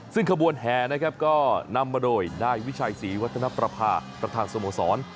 ซึ่งขบวนแห่นะครับก็นำมาโดยนายวิชัยศรีวัฒนประพาประธานสโมสร